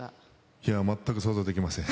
いや、全く想像できません。